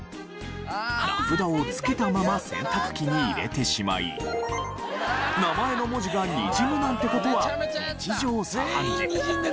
名札を付けたまま洗濯機に入れてしまい名前の文字がにじむなんて事は日常茶飯事。